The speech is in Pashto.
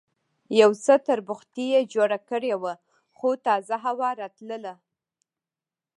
یو څه تربوختي یې جوړه کړې وه، خو تازه هوا راتلله.